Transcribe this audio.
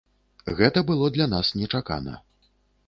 Гэта было для нас нечакана.